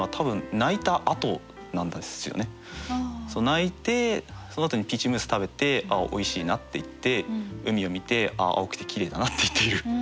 泣いてそのあとにピーチムース食べてああおいしいなって言って海を見てああ青くてきれいだなって言っている。